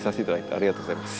ありがとうございます。